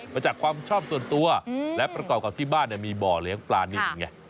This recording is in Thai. มาจากความชอบส่วนตัวและประกอบกับที่บ้านมีบ่อเลี้ยงปลานินไง